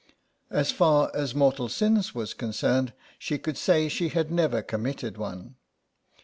As far as mortal sin was concerned she could say she had never com mitted one.